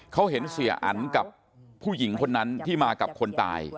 เขาเห็นเสียอันกับผู้หญิงคนนั้นที่มากับคนตาย